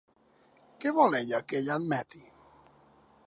Què vol ell que ella admeti?